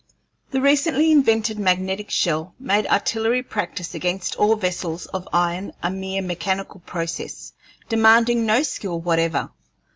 The recently invented magnetic shell made artillery practice against all vessels of iron a mere mechanical process, demanding no skill whatever.